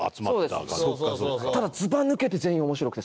ただずばぬけて全員面白くて。